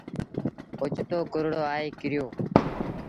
اوچتو ڪُرڙو آئي ڪريو۔